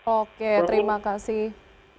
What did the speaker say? oke terima kasih